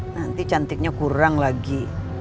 nanti cantiknya kurang lagi